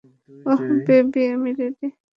অহ, baby, আমি ready.